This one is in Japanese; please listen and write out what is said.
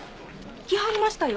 来はりましたよ